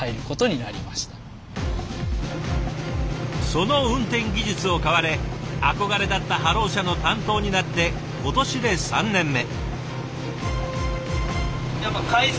その運転技術を買われ憧れだったハロー車の担当になって今年で３年目。